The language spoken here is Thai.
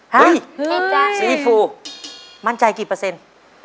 สีฟูมั่นใจกี่เปอร์เซ็นต์